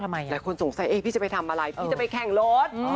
หลายคนสงสัยพี่จะไปทำอะไรพี่จะไปแข่งรถ